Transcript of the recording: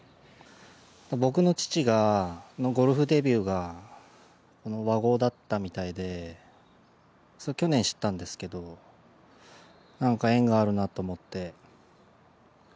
僕の父がゴルフデビューがこの和合だったみたいで、去年知ったんですけど、なんか縁があるなと思って。